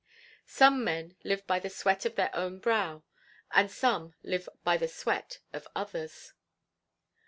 "Some men live by the sweat of their own brow, and some live by the sweat of others."